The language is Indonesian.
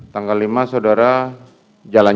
tanggal lima saudara jalan